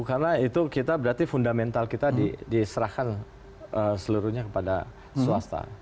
karena itu kita berarti fundamental kita diserahkan seluruhnya kepada swasta